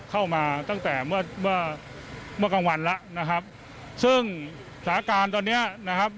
เข้ามาตั้งแต่เมื่อเมื่อกลางวันแล้วนะครับซึ่งสถานการณ์ตอนเนี้ยนะครับ